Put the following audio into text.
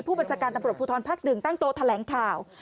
ผู้บัญชาการตำรวจภูทรภักดิ์๑ตั้งโตแถลงข่าว